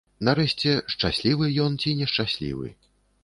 Нарэшце, шчаслівы ён ці нешчаслівы.